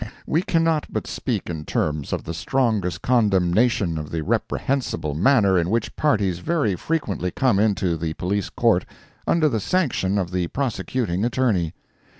We cannot but speak in terms of the strongest condemnation of the reprehensible manner in which parties very frequently come into the Police Court, under the sanction of the Prosecuting Attorney.